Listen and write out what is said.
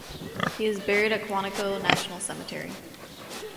He is buried at Quantico National Cemetery.